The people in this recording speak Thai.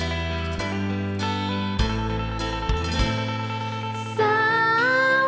ขอบคุณครับ